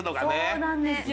そうなんですよ。